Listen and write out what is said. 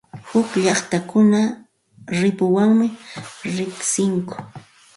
Huk llaqtakunapiqa rirpuwanmi riqsinku.